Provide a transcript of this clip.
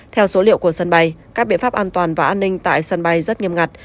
theo số liệu của sân bay các biện pháp an toàn và an ninh tại sân bay rất nghiêm ngặt